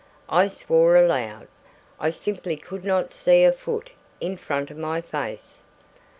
I swore aloud. I simply could not see a foot in front of my face.